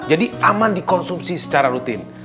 aman dikonsumsi secara rutin